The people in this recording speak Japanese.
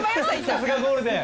さすがゴールデン！